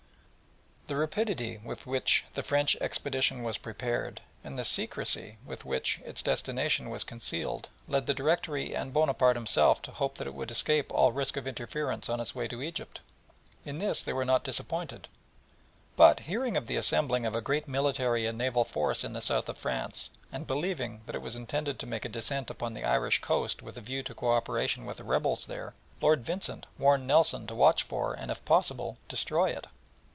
The rapidity with which the French expedition was prepared, and the secrecy with which its destination was concealed, led the Directory and Bonaparte himself to hope that it would escape all risk of interference on its way to Egypt. In this they were not disappointed, but hearing of the assembling of a great military and naval force in the south of France, and believing that it was intended to make a descent upon the Irish coast with a view to co operation with the rebels there, Lord Vincent warned Nelson to watch for, and, if possible, destroy it.